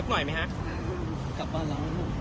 คุณอยู่ในโรงพยาบาลนะ